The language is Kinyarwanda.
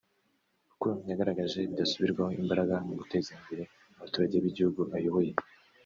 kuko yagaragaje bidasubirwaho imbaraga mu guteza imbere abaturage b’igihugu ayoboye